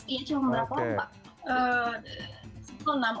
cuma berapa pak